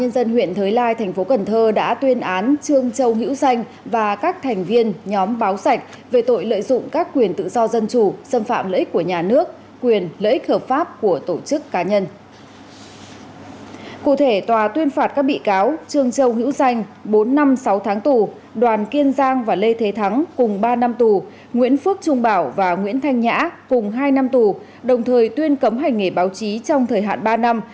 nguyễn phước trung bảo và nguyễn thanh nhã cùng hai năm tù đồng thời tuyên cấm hành nghề báo chí trong thời hạn ba năm